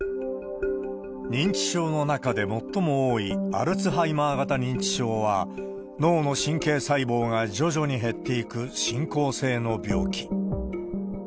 認知症の中で最も多いアルツハイマー型認知症は、脳の神経細胞が徐々に減っていく進行性の病気。